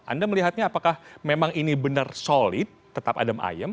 anda melihatnya apakah memang ini benar solid tetap adem ayem